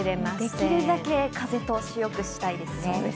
できるだけ風通しよくしてほしいですよね。